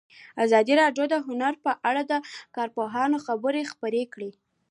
ازادي راډیو د هنر په اړه د کارپوهانو خبرې خپرې کړي.